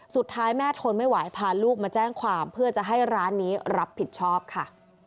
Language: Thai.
สุดท้ายแม่ทนไม่ไหวพาลูกมาแจ้งความเพื่อจะให้ร้านนี้รับผิดชอบค่ะ